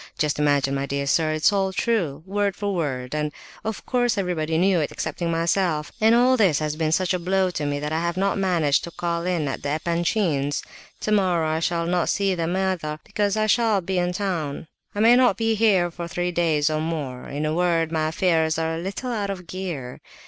Just imagine, my dear sir, it is all true—word for word—and, of course, everybody knew it excepting myself. All this has been such a blow to me that I have not managed to call in at the Epanchins'. Tomorrow I shall not see them either, because I shall be in town. I may not be here for three days or more; in a word, my affairs are a little out of gear.